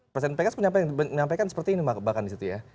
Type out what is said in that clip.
presiden pks pun menyampaikan seperti ini bahkan disitu ya